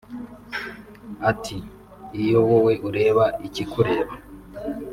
Ati ‘‘Iyo wowe ureba ikikureba